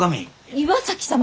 岩崎様！？